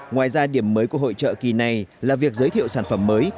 ngoài ra điểm mới của hội trợ kỳ này là việc giới thiệu sản phẩm mới